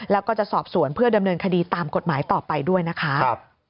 แล้วก็จะสอบสวนเพื่อดำเนินคดีตามกฎหมายต่อไปด้วยนะคะ